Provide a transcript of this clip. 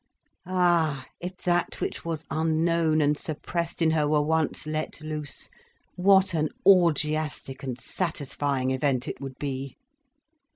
Ah, if that which was unknown and suppressed in her were once let loose, what an orgiastic and satisfying event it would be.